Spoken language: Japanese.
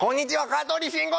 香取慎吾